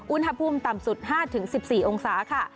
อุณหภูมิต่ำสุด๕๑๔องศาค่ะ